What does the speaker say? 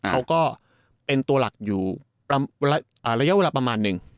เขาก็เป็นตัวหลักอยู่ระยะเวลาประมาณหนึ่ง